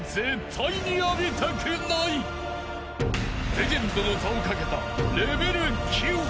［レジェンドの座をかけたレベル９］